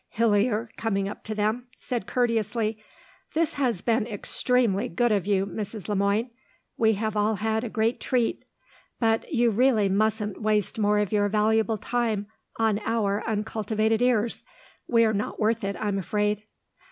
Hillier, coming up to them, said courteously, "This has been extremely good of you, Mrs. Le Moine. We have all had a great treat. But you really mustn't waste more of your valuable time on our uncultivated ears. We're not worth it, I'm afraid."